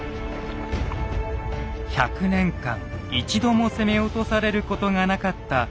１００年間一度も攻め落とされることがなかった小田原城。